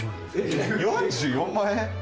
４４万円？